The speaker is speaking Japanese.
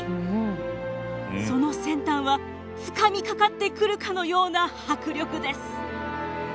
その先端はつかみかかってくるかのような迫力です。